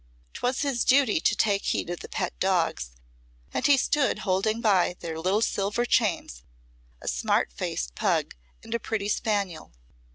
'Twas his duty to take heed to the pet dogs, and he stood holding by their little silver chains a smart faced pug and a pretty spaniel.